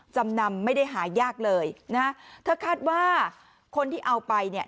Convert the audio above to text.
จำนำไม่ได้หายากเลยนะฮะเธอคาดว่าคนที่เอาไปเนี่ย